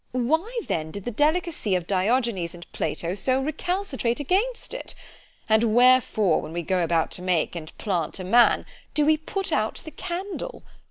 ——Why then did the delicacy of Diogenes and Plato so recalcitrate against it? and wherefore, when we go about to make and plant a man, do we put out the candle?